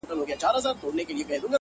راوتلی تر اوو پوښو اغاز دی!